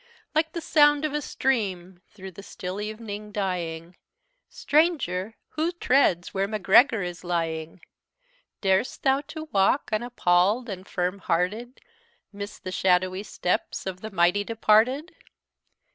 "Like the sound of a stream through the still evening dying, Stranger! who treads where Macgregor is lying? Darest thou to walk, unappall'd and firm hearted, 'Mid the shadowy steps of the mighty departed?